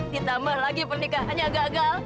ditambah lagi pernikahannya gagal